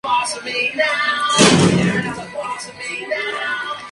El general Manuel Belgrano, lo puso al mando del Regimiento de Infantería Nro.